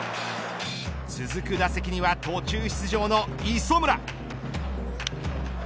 続く打席には途中出場の磯村。